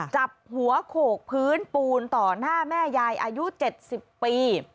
จับหัวโขกพื้นปูนต่อหน้าแม่ยายอายุ๗๐ปี